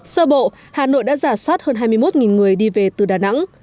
sơ bộ hà nội đã giả soát hơn hai mươi một người đi về từ đà nẵng